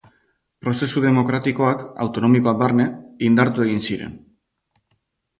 Prozesu demokratikoak, autonomikoak barne, indartu egin ziren.